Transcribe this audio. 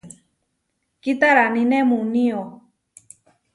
Kitaraníne muunío.